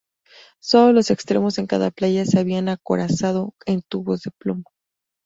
Solo los extremos en cada playa se habían acorazado en tubos de plomo.